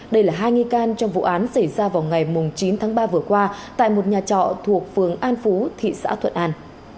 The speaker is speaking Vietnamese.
đây là hai nghi can trong vụ án xảy ra vào ngày chín tháng ba vừa qua tại một nhà trọ thuộc phường an phú thị xã thuận an